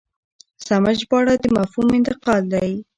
سمه ژباړه د مفهوم انتقال دی.